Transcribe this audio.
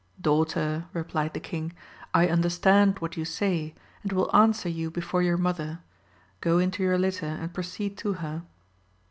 Daughter, replied th« king, I understand what you say, and will answer you before your mother : go into your litter and proceed to her.